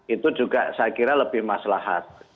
itu juga saya kira lebih maslahat